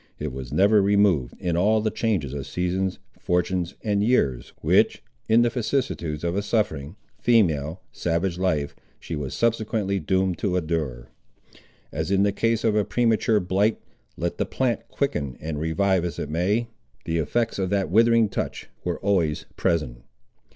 It was never removed, in all the changes of seasons, fortunes, and years, which, in the vicissitudes of a suffering, female, savage life, she was subsequently doomed to endure. As in the case of a premature blight, let the plant quicken and revive as it may, the effects of that withering touch were always present.